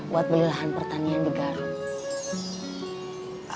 buat beli lahan pertanian di garut